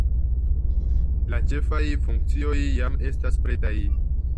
La ĉefaj funkcioj jam estas pretaj.